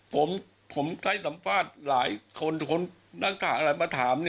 ผมได้สัมภาษณ์หลายคนคนหน้ากากอะไรมาถาม